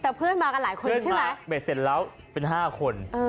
เบอร์เซ็นแล้วเป็น๕คน